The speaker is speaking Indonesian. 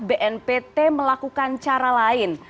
bnpt melakukan cara lain